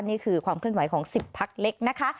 นี่คือความเคลื่อนไหวของ๑๐พักเล็กนะคะ